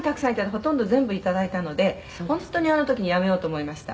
「ほとんど全部いただいたので本当にあの時にやめようと思いました」